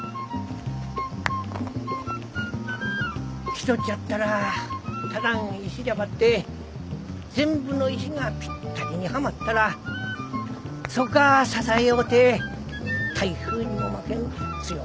ひとっじゃったらただん石じゃばって全部の石がぴったりにはまったらそっが支えおうて台風にも負けん強か力になっとぞ。